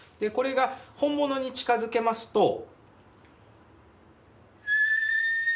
これが本物に近づけますと。